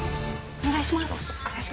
お願いします。